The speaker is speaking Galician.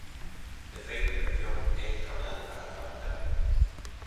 De feito, a intención é ir traballando cara atrás no tempo.